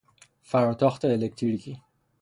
فراتاخت الکتریکی